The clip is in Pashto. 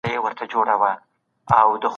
ماشوم اوس پوښتني کوي.